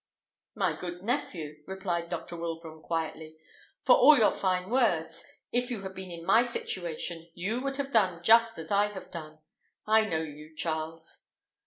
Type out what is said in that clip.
"My good nephew," replied Dr. Wilbraham quietly, "for all your fine words, if you had been in my situation you would have done just as I have done. I know you, Charles."